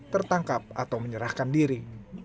tertangkap atau menyerahkan diri